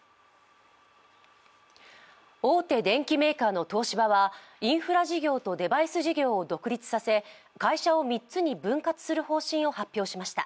大手電機メーカーの東芝はインフラ事業とデバイス事業を独立させ会社を３つに分割する方針を発表しました。